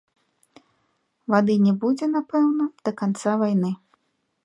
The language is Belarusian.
Вады не будзе, напэўна, да канца вайны.